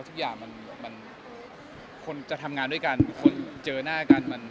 คนจะทำงานด้วยกันคนเจอหน้ากัน